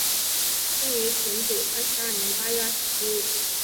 生于纯祖三十二年八月二十七日。